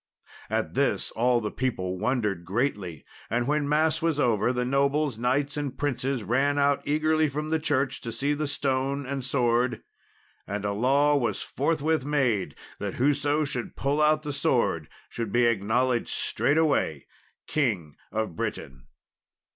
At this all the people wondered greatly; and, when Mass was over, the nobles, knights, and princes ran out eagerly from the church to see the stone and sword; and a law was forthwith made that whoso should pull out the sword should be acknowledged straightway King of Britain.